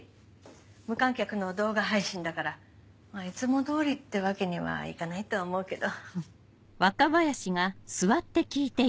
無観客の動画配信だからいつも通りってわけにはいかないとは思うけど。